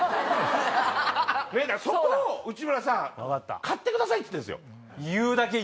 だからそこを内村さん買ってくださいっつってるんですよ。